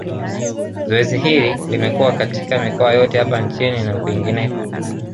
Zoezi hili limekuwa katika mikoa yote hapa nchini na kwingineko